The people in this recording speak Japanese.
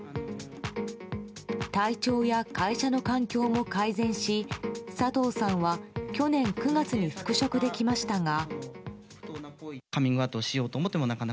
体調や会社の環境も改善し佐藤さんは去年９月に復職できましたが。